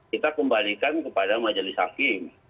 kita kembalikan kepada majelis hakim